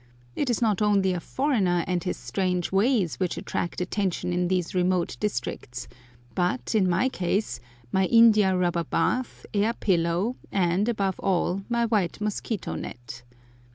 It is not only a foreigner and his strange ways which attract attention in these remote districts, but, in my case, my india rubber bath, air pillow, and, above all, my white mosquito net.